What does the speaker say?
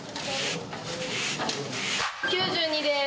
９２です。